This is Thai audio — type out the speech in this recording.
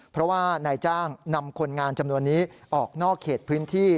เพราะว่านายจ้างนำคนงานจำนวนนี้ออกนอกเขตพื้นที่